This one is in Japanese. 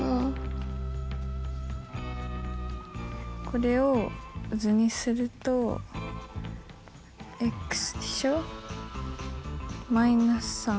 これを図にするとでしょ。